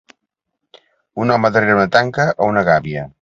Un home darrera una tanca o una gàbia.